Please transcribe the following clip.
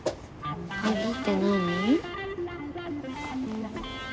鍵って何？